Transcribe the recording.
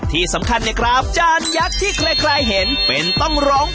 ที่สำคัญเนี่ยครับจานยักษ์ที่ใครเห็นเป็นต้องร้อง